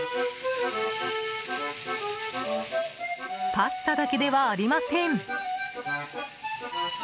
パスタだけではありません。